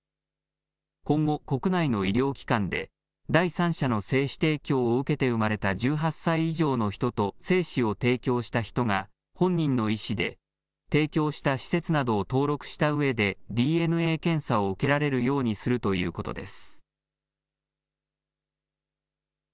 今後、国内の医療機関で第三者の精子提供を受けて生まれた１８歳以上の人と、精子を提供した人が本人の意思で提供した施設などを登録したうえで、ＤＮＡ検査を受けられるようにするということです。